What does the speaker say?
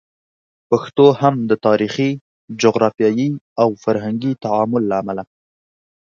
پښتو هم د تاریخي، جغرافیایي او فرهنګي تعامل له امله